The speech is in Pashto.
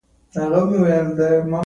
د حلال روزي رڼا د زړه ده.